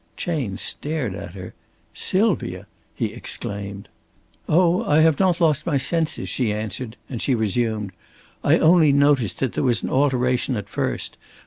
Chayne stared at her. "Sylvia!" he exclaimed. "Oh, I have not lost my senses," she answered, and she resumed: "I only noticed that there was an alteration at first.